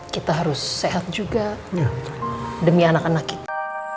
kita harus sehat juga demi anak anak kita